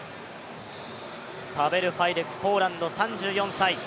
パベル・ファイデクポーランド３４歳。